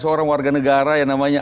seorang warga negara yang namanya